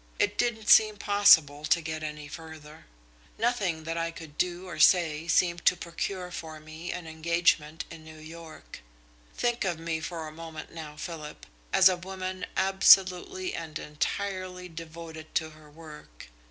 It didn't seem possible to get any further. Nothing that I could do or say seemed able to procure for me an engagement in New York. Think of me for a moment now, Philip, as a woman absolutely and entirely devoted to her work.